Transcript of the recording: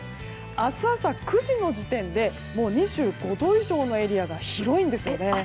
明日朝９時の時点でもう２５度以上のエリアが広いんです。